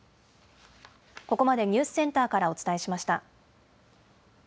ここまでニューセンターからお伝えしました。